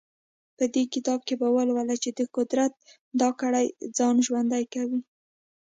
په دې کتاب کې به ولولئ چې د قدرت دا کړۍ ځان ژوندی کوي.